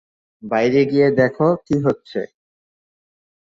বাইরে গিয়ে দেখো কি হচ্ছে!